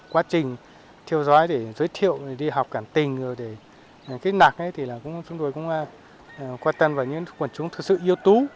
quá trình thiêu giói để giới thiệu đi học cản tình kết nạc thì chúng tôi cũng quan tâm vào những quần chúng thực sự yếu tố